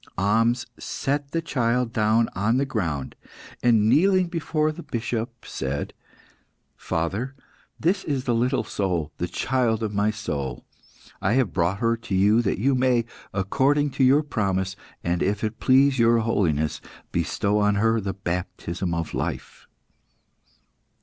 Ahmes set the child down on the ground, and kneeling before the Bishop, said "Father, this is the little soul, the child of my soul. I have brought her that you may, according to your promise, and if it please your holiness, bestow on her the baptism of life."